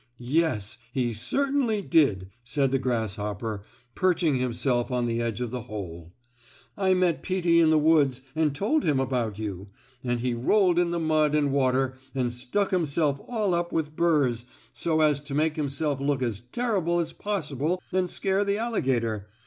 "Yes, he certainly did," said the grasshopper, perching himself on the edge of the hole. "I met Peetie in the woods and told him about you, and he rolled in the mud and water and stuck himself all up with burrs, so as to make himself look as terrible as possible and scare the alligator.